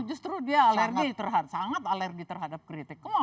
justru dia alergi sangat alergi terhadap kritik